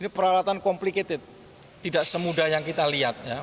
ini peralatan komplikated tidak semudah yang kita lihat